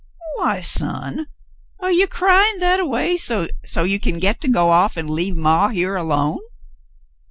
"Why, son, are ye cryin' that a way so's you can get to go off an' leave maw here 'lone